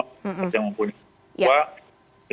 orang yang memiliki booster